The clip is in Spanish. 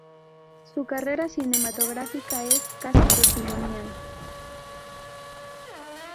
Su carrera cinematográfica es casi testimonial.